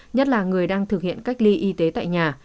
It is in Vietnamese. nhất là người đang thực hiện cách ly y tế tại nhà